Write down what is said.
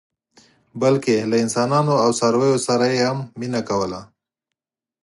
بلکې له انسانانو او څارویو سره یې هم مینه کوله.